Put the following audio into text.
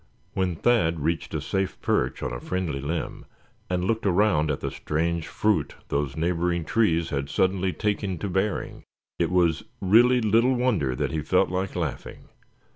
When Thad reached a safe perch on a friendly limb, and looked around at the strange fruit those neighboring trees had suddenly taken to bearing, it was really little wonder that he felt like laughing.